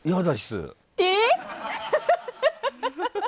えっ？